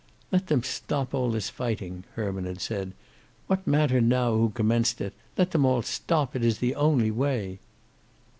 "Let them stop all this fighting," Herman had said. "What matter now who commenced it? Let them all stop. It is the only way."